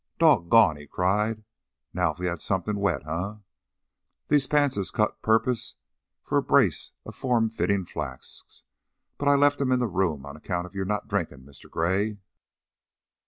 "Dawg gone!" he cried. "Now, if we had something wet, eh? These pants is cut purpose for a brace of form fittin' flasks, but I left 'em in the room on account of you not drinkin', Mr. Gray."